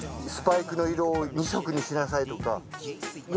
スパイクの色を２色にしなさいとか。